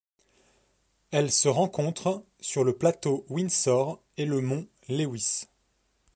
Elle se rencontre sur le plateau Windsor et le mont Lewis.